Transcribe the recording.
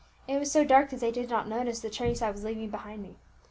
It was so dark that they did not notice the trace I was leaving behind me.